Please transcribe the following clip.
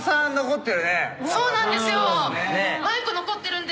そうなんですよ。